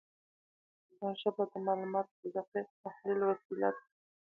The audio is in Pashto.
دا ژبه د معلوماتو د دقیق تحلیل وسیله ده.